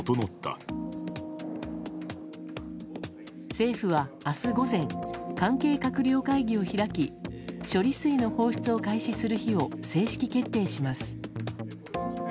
政府は明日午前関係閣僚会議を開き処理水の放出を開始する日を正式決定します。